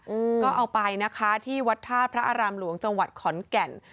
อืมก็เอาไปนะคะที่วัดธาตุพระอารามหลวงจังหวัดขอนแก่น